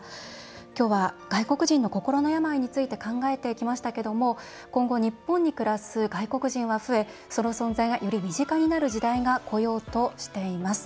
今日は外国人の心の病について考えてきましたけども今後、日本に暮らす外国人は増えその存在がより身近になる時代がこようとしています。